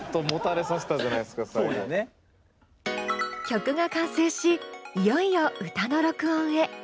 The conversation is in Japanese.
曲が完成しいよいよ歌の録音へ。